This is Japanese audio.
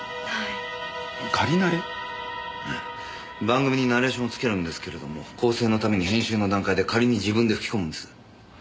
番組にナレーションをつけるんですけれども構成のために編集の段階で仮に自分で吹き込むんです。